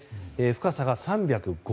深さが３５０ｋｍ。